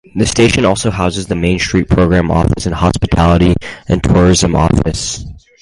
The station also houses the Main Street Program Office and Hospitality and Tourism Office.